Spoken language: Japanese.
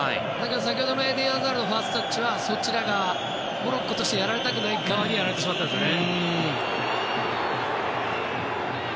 先ほどのエデン・アザールのファーストタッチはそちら側、モロッコとしてやられたくない側にやられてしまったんですよね。